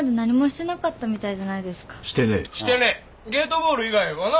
ゲートボール以外はな？